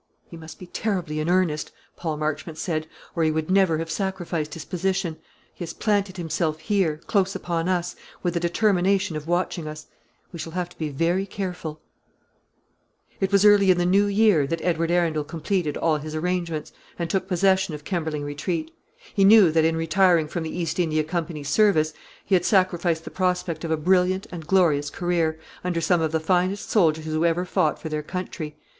"He must be terribly in earnest," Paul Marchmont said, "or he would never have sacrificed his position. He has planted himself here, close upon us, with a determination of watching us. We shall have to be very careful." It was early in the new year that Edward Arundel completed all his arrangements, and took possession of Kemberling Retreat. He knew that, in retiring from the East India Company's service, he had sacrificed the prospect of a brilliant and glorious career, under some of the finest soldiers who ever fought for their country.